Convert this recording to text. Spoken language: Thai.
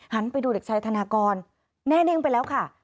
ไปดูเด็กชายธนากรแน่นิ่งไปแล้วค่ะ